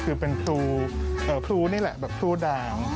คือเป็นทุนี้แหละทุนด่างค่ะ